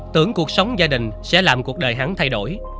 tưởng cuộc sống gia đình sẽ làm cuộc đời hắn thay đổi